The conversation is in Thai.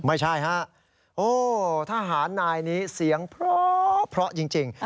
ไม่ใช่ทหารนายนี้เสียงเพลาเพลาจริง